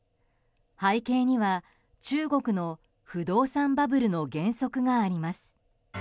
背景には中国の不動産バブルの減速があります。